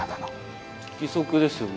義足ですよね。